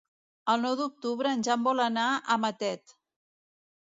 El nou d'octubre en Jan vol anar a Matet.